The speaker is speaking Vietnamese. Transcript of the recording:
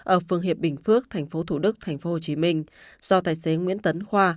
ở phương hiệp bình phước tp thủ đức tp hcm do tài xế nguyễn tấn khoa